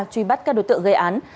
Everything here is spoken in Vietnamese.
truy bắt các đối tượng gây án